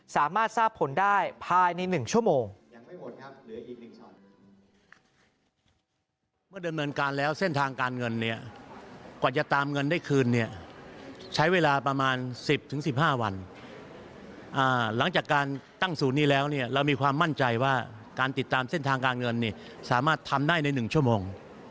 สามารถทราบผลได้ภายใน๑ชั่วโมง